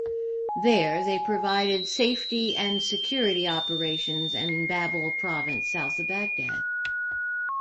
There, they provided safety and security operations in Babil province south of Baghdad.